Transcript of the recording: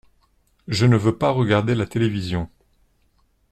Je ne veux pas regarder la télévision.